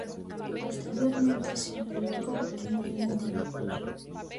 Posteriormente se afincó en la ciudad de Burgos.